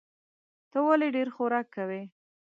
ته ولي ډېر خوراک کوې؟